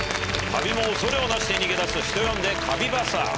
カビも恐れをなして逃げ出す人呼んでカビバスター。